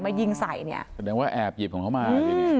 ยิงใส่เนี่ยแสดงว่าแอบหยิบของเขามา